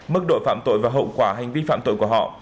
mức độ phạm tội và hậu quả hành vi phạm tội của họ